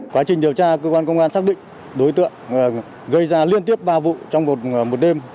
quá trình điều tra cơ quan công an xác định đối tượng gây ra liên tiếp ba vụ trong một đêm